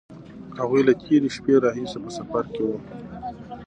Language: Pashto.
هغوی له تېرې شپې راهیسې په سفر کې وو.